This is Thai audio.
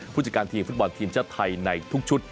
ผู้จัดการทีมฟุตบอลทีมชาติไทยในทุกชุด